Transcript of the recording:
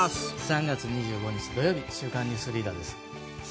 ３月２５日、土曜日「週刊ニュースリーダー」です。